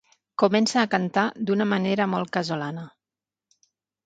Comença a cantar d'una manera molt casolana.